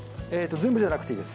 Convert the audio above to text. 全部じゃなくていいです。